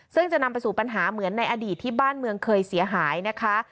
ซึ่งจะนำไปสู่ปัญหาเหมือนในอดีตที่บ้านเมืองเคยเสียหายนะคะ